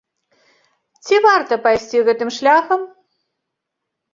Ці варта пайсці гэтым шляхам?